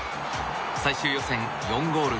最終予選４ゴール